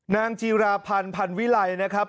นางจีราพันธ์พันวิไลนะครับ